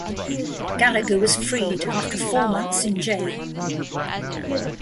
Gallagher was freed after four months in jail.